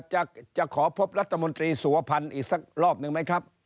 จะขอพบรัฐมนตรีสุวพันธ์อีกสักรอบหนึ่งไหมครับ